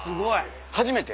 初めて？